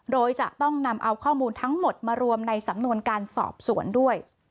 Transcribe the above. โดยจะต้องนำเอาข้อมูลทั้งหมดมารวมในสำนวนการสอบสวนด้วย